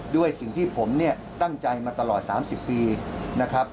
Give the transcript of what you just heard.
ด้วยสิ่งที่ผมเนี่ยตั้งใจมาตลอด๓๐ปีนะครับ